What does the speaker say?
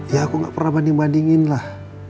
ya aku gak pernah banding bandingin lah